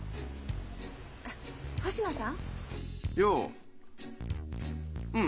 あっ星野さん？よう。